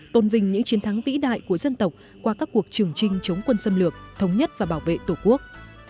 tôn vinh những chiến thắng vĩ đại của dân tộc qua các cuộc trường trinh chống quân xâm lược thống nhất và bảo vệ tổ quốc